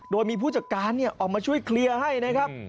โดยมีผู้จัดการออกมาช่วยเคลียร์ให้นะครับ